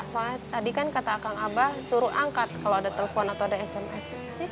soalnya tadi kan kata kang abah suruh angkat kalau ada telepon atau ada sms